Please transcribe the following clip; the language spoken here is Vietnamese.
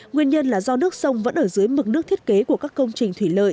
nguyên nhân là do nước sông vẫn ở dưới mực nước thiết kế của các công trình thủy lợi